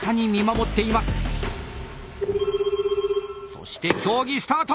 ☎そして競技スタート。